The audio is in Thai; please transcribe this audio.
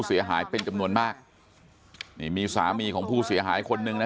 เสียหายเป็นจำนวนมากนี่มีสามีของผู้เสียหายคนหนึ่งนะ